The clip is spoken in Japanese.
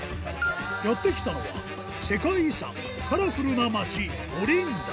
やって来たのは、世界遺産、カラフルな町、オリンダ。